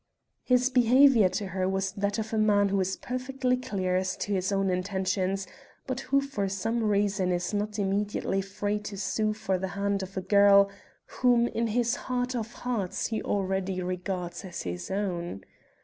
His behavior to her was that of a man who is perfectly clear as to his own intentions but who for some reason is not immediately free to sue for the hand of a girl whom in his heart of hearts he already regards as his own.